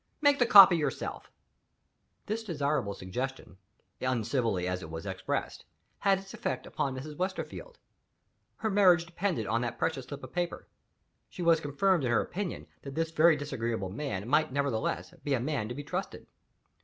Make the copy yourself." This desirable suggestion (uncivilly as it was expressed) had its effect upon Mrs. Westerfield. Her marriage depended on that precious slip of paper. She was confirmed in her opinion that this very disagreeable man might nevertheless be a man to be trusted.